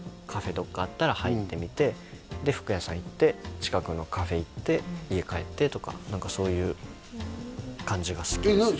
どっかあったら入ってみてで服屋さん行って近くのカフェ行って家帰ってとか何かそういう感じが好きですね何？